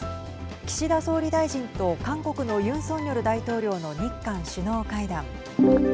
岸田総理大臣と韓国のユン・ソンニョル大統領の日韓首脳会談。